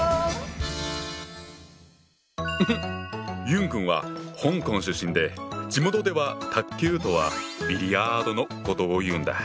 ユン君は香港出身で地元では卓球とはビリヤードのことを言うんだ。